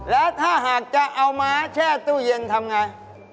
แล้วถ้าหากจะเอาม้าแช่ตู้เย็นทำไง